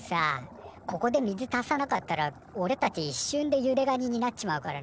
ここで水足さなかったらおれたちいっしゅんでゆでガニになっちまうからな。